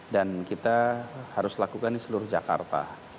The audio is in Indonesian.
dan kita harus lakukan di seluruh jakarta